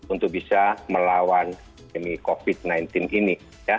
untuk bisa melawan covid sembilan belas ini